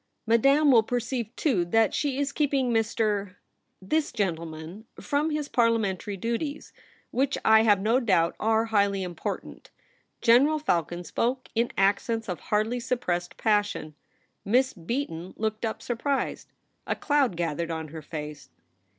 ' Madame will per ceive, too, that she is keeping Mr. , this gentleman, from his Parliamentary duties, which, I have no doubt, are highly important.' General Falcon spoke in accents of hardly suppressed passion. Miss Beaton looked up, surprised. A cloud gathered on her face.